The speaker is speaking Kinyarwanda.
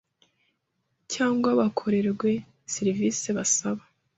cyangwa bakorerwe serivisi basaba.